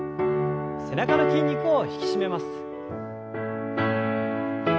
背中の筋肉を引き締めます。